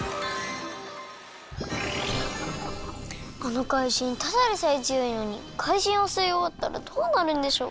あのかいじんただでさえつよいのにかいじんをすいおわったらどうなるんでしょう？